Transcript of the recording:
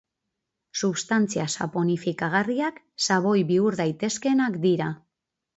Substantzia saponifikagarriak xaboi bihur daitezkeenak dira.